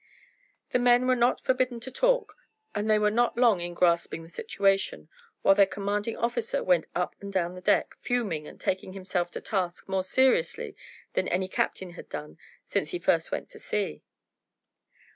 The men were not forbidden to talk, and they were not long in grasping the situation, while their commanding officer went up and down the deck, fuming and taking himself to task more seriously than any captain had done since he first went to sea.